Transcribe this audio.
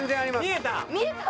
見えた！